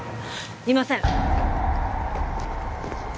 いません！